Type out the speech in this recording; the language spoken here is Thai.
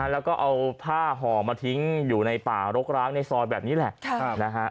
แล้วก็เอาผ้าห่อมาทิ้งอยู่ในป่ารกร้างในซอยแบบนี้แหละ